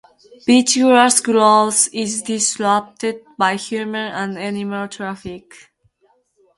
Beachgrass growth is disrupted by human and animal traffic.